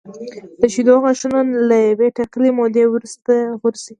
د شېدو غاښونه له یوې ټاکلې مودې وروسته غورځي.